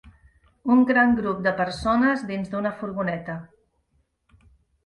Un gran grup de persones dins d'una furgoneta.